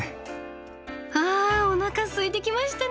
あおなかすいてきましたね！